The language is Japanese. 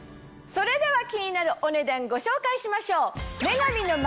それでは気になるお値段ご紹介しましょう。